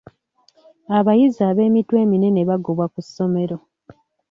Abayizi ab'emitwe eminene bagobwa ku ssomero.